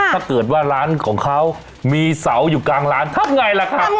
ถ้าเกิดว่าร้านของเขามีเสาอยู่กลางร้านทำไงล่ะครับ